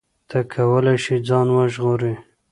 ته کولی شې ځان وژغورې.